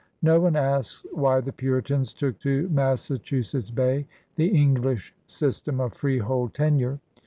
No one asks why the Puritans took to Massachusetts Bay the English system of freehold tenure.